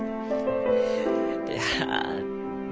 いや。